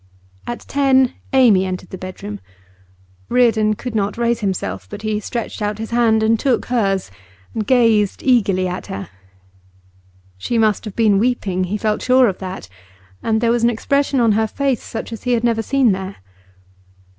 At ten Amy entered the bedroom. Reardon could not raise himself, but he stretched out his hand and took hers, and gazed eagerly at her. She must have been weeping, he felt sure of that, and there was an expression on her face such as he had never seen there.